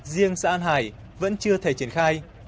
riêng xã an hải vẫn chưa thể triển khai